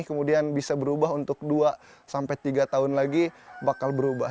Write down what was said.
kemudian bisa berubah untuk dua sampai tiga tahun lagi bakal berubah